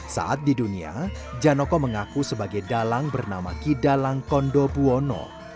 saat di dunia janoko mengaku sebagai dalang bernama kidalang kondobuono